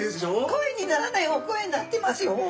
声にならないお声になってますよ。